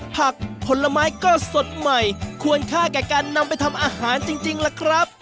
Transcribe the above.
ผลไม้ก็สดใหม่ควรค่าแก่การนำไปทำอาหารจริงล่ะครับ